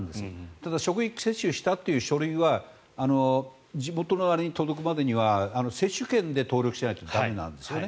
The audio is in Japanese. ただ、職域接種したという書類は地元に届くまでには接種券で登録しないと駄目なんですよね。